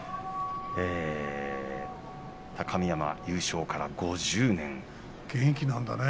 高見山、優勝から５０年。